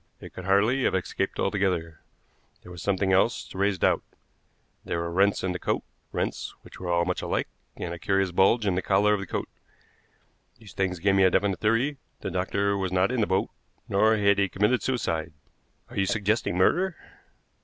It could hardly have escaped altogether. There was something else to raise doubt. There were rents in the coat, rents which were all much alike, and a curious bulge in the collar of the coat. These things gave me a definite theory. The doctor was not in the boat, nor had he committed suicide." "Are you suggesting murder?"